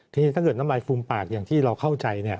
คือถ้าเกิดน้ำลายฟุงปากอย่างที่เราเข้าใจเนี่ย